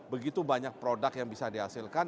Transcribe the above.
begitu banyak produk yang bisa dihasilkan